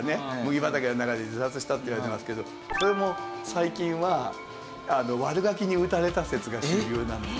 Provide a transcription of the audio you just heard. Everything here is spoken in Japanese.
麦畑の中で自殺したっていわれてますけどそれも最近は悪ガキに撃たれた説が主流なんですよね。